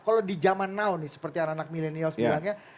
kalau di zaman now nih seperti anak anak milenial sebenarnya